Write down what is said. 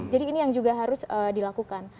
jadi ini yang juga harus dilakukan